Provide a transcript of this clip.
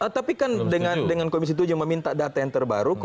tapi kan dengan komisi tujuh meminta data yang terbaru